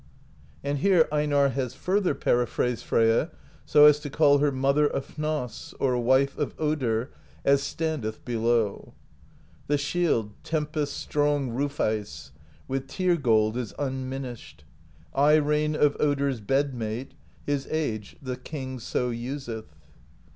And here Einarr has further periphrased Freyja so as to call her Mother of Hnoss, or Wife of Odr, as standeth below : The shield, tempest's strong roof ice. With tear gold is unminished. Eye rain of Odr's Bed Mate: His age the King so useth.